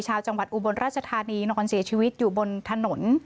ชาวจังหวัดอุบลราชธานีนอนเสียชีวิตอยู่บนถนน